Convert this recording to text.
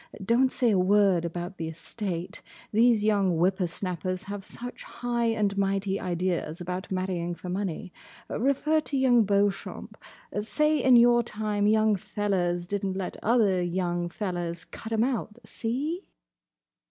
Don't say a word about the estate. These young whipper snappers have such high and mighty ideas about marrying for money. Refer to young Beauchamp. Say in your time young fellers did n't let other young fellers cut 'em out. See?"